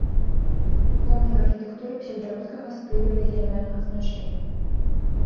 Помнік архітэктуры псеўдарускага стылю рэгіянальнага значэння.